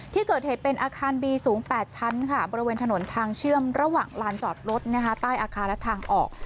ที่เกิดเหตุเป็นอาคารบีสูง๘ชั้นค่ะบริเวณถนนทางเชื่อมระหว่างลานจอดรถใต้อาคารและทางออก